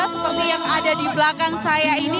seperti yang ada di belakang saya ini